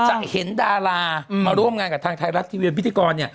จะเห็นดารามาร่วมงานกับทางไทยรัฐทีวีพิธีกร